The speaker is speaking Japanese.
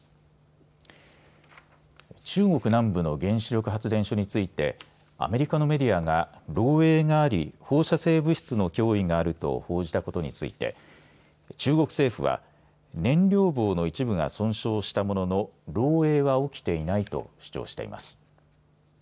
中国南部の原子力発電所についてアメリカのメディアが漏えいがあり放射性物質の脅威があると報じたことについて中国政府は燃料棒の一部が損傷したものの漏えいは起きていないと主張しています。